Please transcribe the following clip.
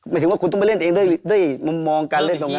หมายถึงว่าคุณต้องไปเล่นเองด้วยมุมมองการเล่นตรงนั้น